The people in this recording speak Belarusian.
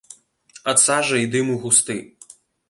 Ад сажы і дыму густы.